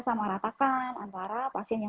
sama ratakan antara pasien yang